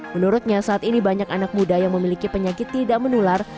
menurutnya saat ini banyak anak muda yang memiliki penyakit tidak menular